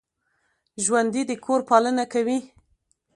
ژوندي د کور پالنه کوي